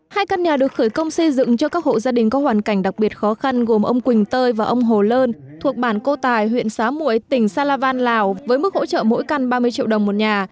hai căn nhà được khởi công xây dựng cho các hộ gia đình có hoàn cảnh đặc biệt khó khăn gồm ông quỳnh tơi và ông hồ lơn thuộc bản cô tài huyện xá muội tỉnh sa la van lào với mức hỗ trợ mỗi căn ba mươi triệu đồng một nhà